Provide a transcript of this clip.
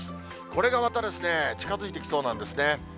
これがまた、近づいてきそうなんですね。